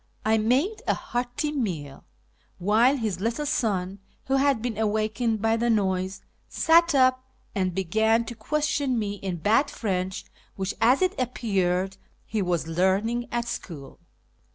I made a hearty meal, while his little son, who had been awakened by the noise, sat up and began to question me in bad French, which, as it appeared, he was learning at school.